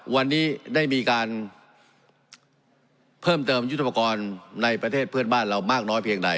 วันนี้ได้มีการเพิ่มเติมยุทธปกรณ์ในประเทศเพื่อนบ้านเรามากน้อยเพียงใด